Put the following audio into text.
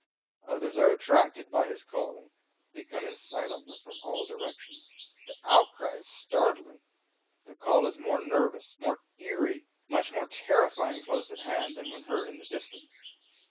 Others are attracted by his calling; they come in silently from all directions; the outcry is startling. The call is more nervous, more eerie, much more terrifying close at hand than when heard in the distance.